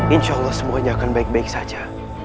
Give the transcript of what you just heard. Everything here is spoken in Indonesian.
insya allah semuanya akan baik baik saja